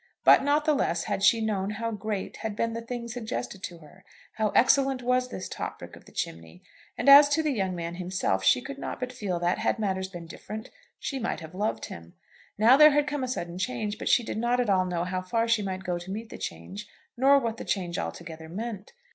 But not the less had she known how great had been the thing suggested to her, how excellent was this top brick of the chimney; and as to the young man himself, she could not but feel that, had matters been different, she might have loved him. Now there had come a sudden change; but she did not at all know how far she might go to meet the change, nor what the change altogether meant.